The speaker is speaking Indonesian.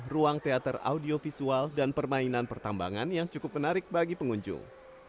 ruang teater audiovisual dan permainan pertambangan yang cukup menarik bagi pengunjung